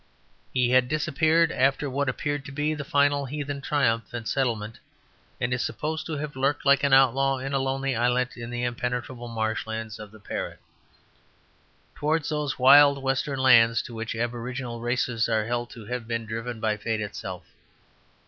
He had disappeared after what appeared to be the final heathen triumph and settlement, and is supposed to have lurked like an outlaw in a lonely islet in the impenetrable marshlands of the Parret; towards those wild western lands to which aboriginal races are held to have been driven by fate itself.